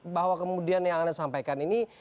bahwa kemudian yang anda sampaikan ini